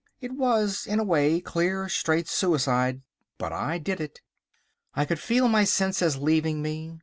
It was, in a way, clear, straight suicide, but I did it. I could feel my senses leaving me.